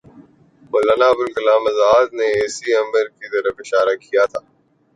مولانا ابوالکلام آزاد نے اسی امر کی طرف اشارہ کیا تھا۔